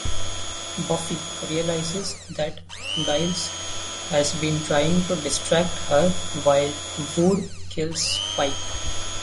Buffy realizes that Giles has been trying to distract her while Wood kills Spike.